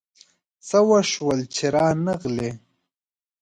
څه وشول چي رانغلې ؟